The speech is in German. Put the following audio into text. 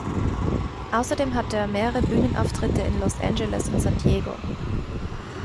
Außerdem hatte er mehrere Bühnenauftritte in Los Angeles und San Diego.